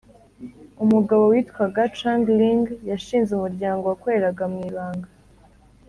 umugabo witwaga chang ling, yashinze umuryango wakoreraga mu ibanga